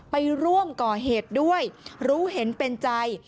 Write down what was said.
ไปร่วมก่อเหตุด้วยรู้เห็นเป็นใจ